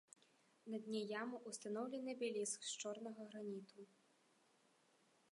На дне ямы ўстаноўлены абеліск з чорнага граніту.